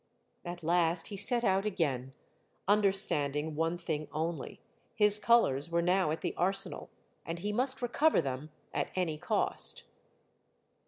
At last he set out again, understanding one thing only, his colors were now at the Arsenal, and he must recover them at any cost.